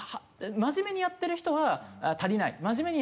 真面目にやってない人は足りてる。